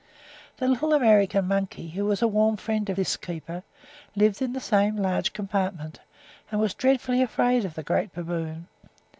The little American monkey, who was a warm friend of this keeper, lived in the same large compartment, and was dreadfully afraid of the great baboon.